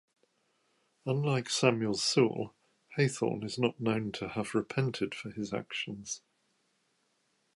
Unlike Samuel Sewall, Hathorne is not known to have repented for his actions.